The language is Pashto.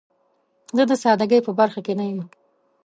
زه د سادګۍ په برخه کې نه یم.